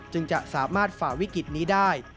จึงจะสามารถฝ่าวิกฤตนี้ได้